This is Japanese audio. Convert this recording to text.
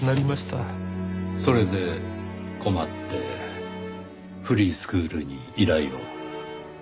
それで困ってフリースクールに依頼を？